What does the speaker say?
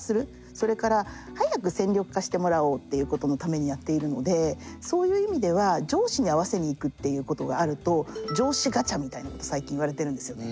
それから早く戦力化してもらおうっていうことのためにやっているのでそういう意味では上司に合わせにいくっていうことがあると上司ガチャみたいなこと最近いわれてるんですよね。